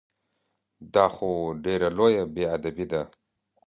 دا خو ډېره لویه بې ادبي ده!